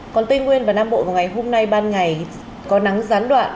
còn tây nguyên và nam bộ vào ngày hôm nay ban ngày có nắng gián đoạn